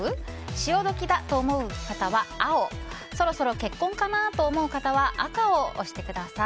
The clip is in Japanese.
潮時だと思う方は青そろそろ結婚かなと思う方は赤を押してください。